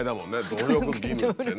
「努力義務」ってね。